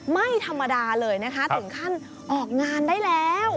ไม่ธรรมดาเลยนะคะถึงขั้นออกงานได้แล้ว